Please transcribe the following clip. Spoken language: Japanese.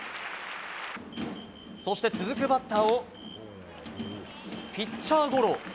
そして続くバッターをピッチャーゴロ。